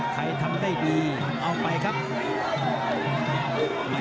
ต้องถามสัจใจน้อย